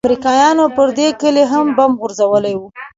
امريکايانو پر دې كلي هم بم غورځولي وو.